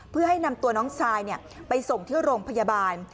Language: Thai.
เพื่อให้นำตัวน้องซายไปส่งที่โรงพยาบาล